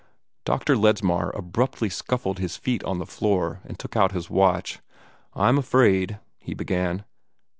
Dr. Ledsmar abruptly scuffled his feet on the floor, and took out his watch. "I'm afraid " he began.